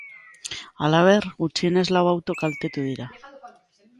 Halaber, gutxienez lau auto kaltetu dira.